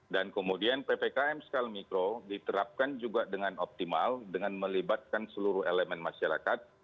dan kemudian ppkm skal mikro diterapkan juga dengan optimal dengan melibatkan seluruh elemen masyarakat